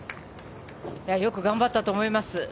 よく頑張ったと思います。